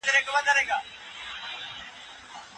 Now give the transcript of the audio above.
ايا حضوري ټولګي د ګډون کونکو د اړتیاو سره همغږي کوي؟